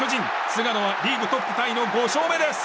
菅野はリーグトップタイの５勝目です。